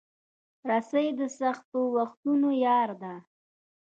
رسۍ د سختو وختونو یار ده.